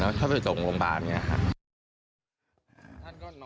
แล้วเขาไปตรงโรงพยาบาล